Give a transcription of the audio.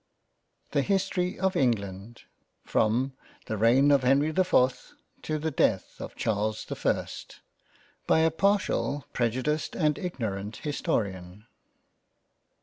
79 THE HISTORY OF ENGLAND FROM THE REIGN OF HENRY THE 4TH TO THE DEATH OF CHARLES THE 1 ST. BY A PARTIAL, PREJUDICED, AND IGNORANT HISTORIAN.